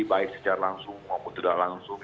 baik secara langsung maupun tidak langsung